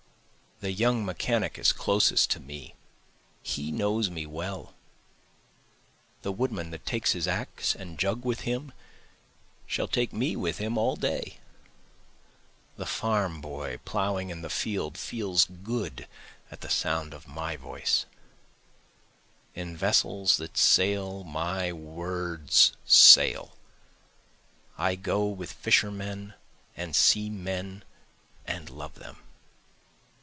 The young mechanic is closest to me, he knows me well, The woodman that takes his axe and jug with him shall take me with him all day, The farm boy ploughing in the field feels good at the sound of my voice, In vessels that sail my words sail, I go with fishermen and seamen and love them.